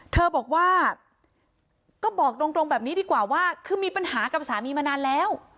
เธอบอกว่าก็บอกตรงแบบนี้ดีกว่าว่าคือมีปัญหากับสามีมานานแล้ว